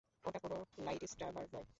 ওটা কোনো লাইটস্ট্যাবার নয়।